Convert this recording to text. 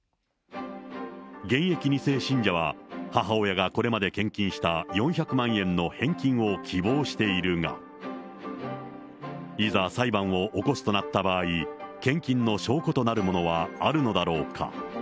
現役２世信者は、母親がこれまで献金した４００万円の返金を希望しているが、いざ裁判を起こすとなった場合、献金の証拠となるものはあるのだろうか。